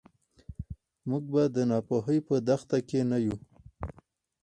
موږ به د ناپوهۍ په دښته کې نه یو.